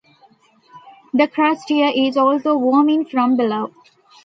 The crust here is also warming from below.